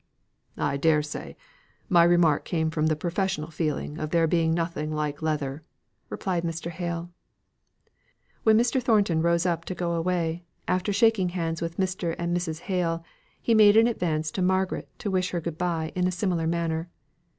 "I dare say, my remark came from the professional feeling of there being nothing like leather," replied Mr. Hale. When Mr. Thornton rose up to go away, after shaking hands with Mr. and Mrs. Hale, he made an advance to Margaret to wish her good bye in a similar manner.